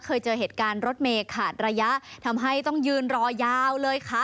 เคยเจอเหตุการณ์รถเมย์ขาดระยะทำให้ต้องยืนรอยาวเลยค่ะ